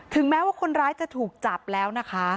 แม้ว่าคนร้ายจะถูกจับแล้วนะคะ